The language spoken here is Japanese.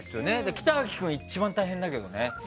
北脇君、一番大変だけどね。